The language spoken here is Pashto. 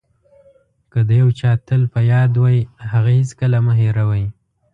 که د یو چا تل په یاد وئ هغه هېڅکله مه هیروئ.